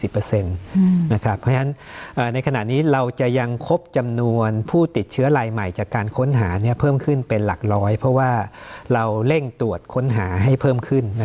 เพราะฉะนั้นในขณะนี้เราจะยังครบจำนวนผู้ติดเชื้อลายใหม่จากการค้นหาเพิ่มขึ้นเป็นหลักร้อยเพราะว่าเราเร่งตรวจค้นหาให้เพิ่มขึ้น